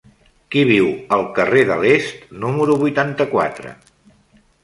Qui viu al carrer de l'Est número vuitanta-quatre?